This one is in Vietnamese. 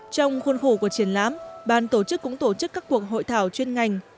trong khuôn khổ của triển lãm ban tổ chức cũng tổ chức các cuộc hội thảo chuyên ngành